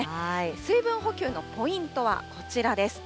水分補給のポイントはこちらです。